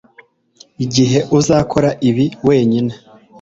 igihe uzakora ibi wenyine